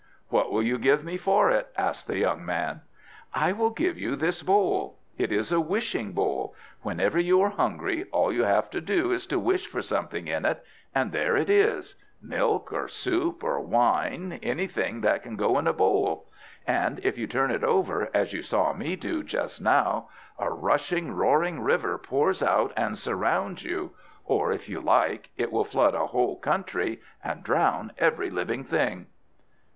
"What will you give me for it?" asked the young man. "I will give you this bowl. It is a wishing bowl. Whenever you are hungry all you have to do is to wish for something in it, and there it is; milk, or soup, or wine; anything that can go in a bowl. And if you turn it over, as you saw me do just now, a rushing, roaring river pours out, and surrounds you, or, if you like, it will flood a whole country and drown every living thing."